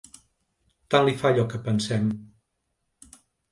Tant li fa allò que pensem.